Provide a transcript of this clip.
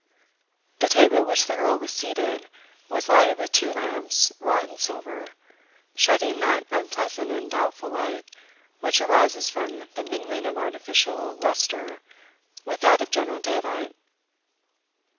The table at which the Earl was seated was lighted with two lamps wrought in silver, shedding that unpleasant and doubtful light which arises from the mingling of artificial lustre with that of general daylight.